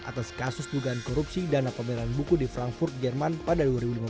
atas kasus dugaan korupsi dana pemberian buku di frankfurt jerman pada dua ribu lima belas